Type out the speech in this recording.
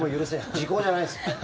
時効じゃないですよ。